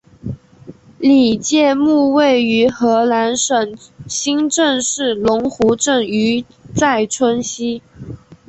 李诫墓位于河南省新郑市龙湖镇于寨村西。